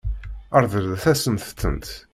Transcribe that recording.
Ṛeḍlet-asent-tent.